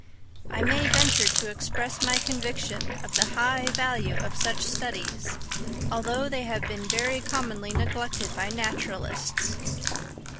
I may venture to express my conviction of the high value of such studies, although they have been very commonly neglected by naturalists.